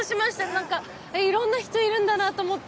なんかいろんな人いるんだなと思って。